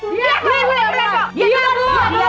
dia yang mulai pakai air panas bu